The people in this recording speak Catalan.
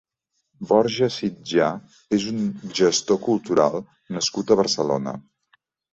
Borja Sitjà és un gestor cultural nascut a Barcelona.